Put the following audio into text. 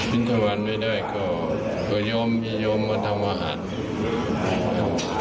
ฟินธรรมะไม่ได้ก็ก็ย่อมย่อมมาทำวัดทำวัด